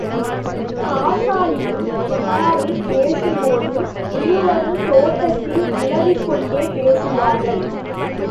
காசாலியும் உமாரும் பேசும்போது, இருவரும் தோட்டத்தில் உலவிக்கொண்டே பேசுவார்கள்.